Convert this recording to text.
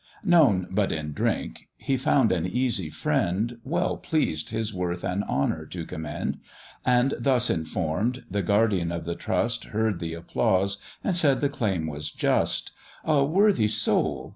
Known but in drink, he found an easy friend, Well pleased his worth and honour to commend: And thus inform'd, the guardian of the trust Heard the applause, and said the claim was just, A worthy soul!